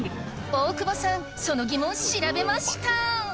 大久保さんそのギモン調べました